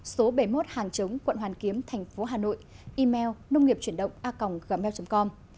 số bảy mươi một hàng chống quận hoàn kiếm tp hà nội email nông nghiệpchuyểnđộnga gmail com